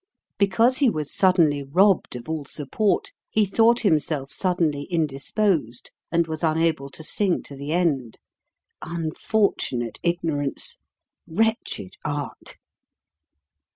Because he was suddenly robbed of all support, he thought himself suddenly indisposed and was unable to sing to the end. Unfortunate ignorance ! Wretched Art!